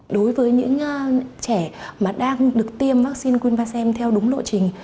đối với những trẻ mà đang được tiêm vaccine theo đúng lộ trình